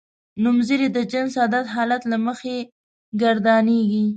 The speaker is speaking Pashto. نومځری د جنس عدد حالت له مخې ګردانیږي.